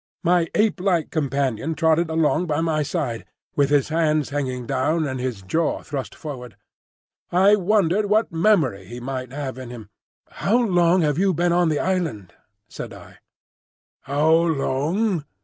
My ape like companion trotted along by my side, with his hands hanging down and his jaw thrust forward. I wondered what memory he might have in him. "How long have you been on this island?" said I. "How long?"